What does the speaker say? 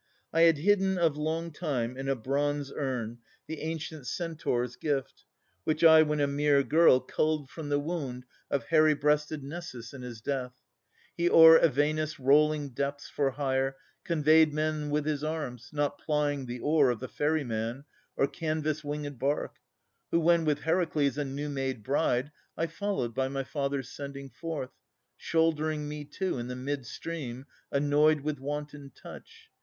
I had hidden of long time In a bronze urn the ancient Centaur's gift, Which I, when a mere girl, culled from the wound Of hairy breasted Nessus in his death. He o'er Evenus' rolling depths, for hire, Ferried wayfarers on his arm, not plying Or rowing boat, or canvas wingèd bark. Who, when with Heracles, a new made bride, I followed by my father's sending forth, Shouldering me too, in the mid stream, annoyed With wanton touch.